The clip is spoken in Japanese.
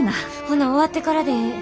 ほな終わってからでええ。